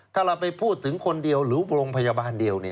ถ้าเราไปพูดถึงคนเดียวหรือโรงพยาบาลเดียว